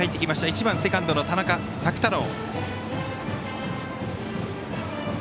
１番セカンドの田中朔太郎。